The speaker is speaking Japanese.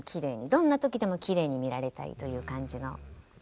どんな時でもきれいに見られたいという感じの。